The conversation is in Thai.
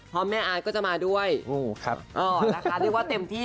เพราะแม่อาร์ตก็จะมาด้วยนะคะเรียกว่าเต็มที่